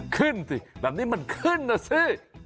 ขึ้นสิแบบนี้มันขึ้นนะสิ